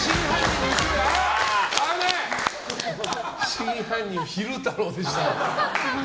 真犯人は昼太郎でした。